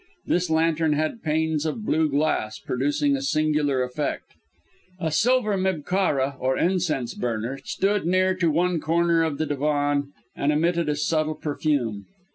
This lantern had panes of blue glass, producing a singular effect. A silver mibkharah, or incense burner, stood near to one corner of the divan and emitted a subtle perfume.